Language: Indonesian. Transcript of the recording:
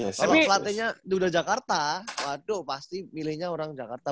kalau pelatihnya udah jakarta waduh pasti milihnya orang jakarta